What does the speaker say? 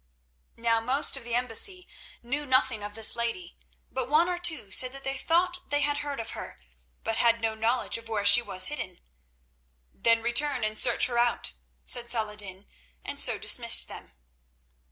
Now most of the embassy knew nothing of this lady, but one or two said they thought that they had heard of her, but had no knowledge of where she was hidden. "Then return and search her out," said Saladin, and so dismissed them.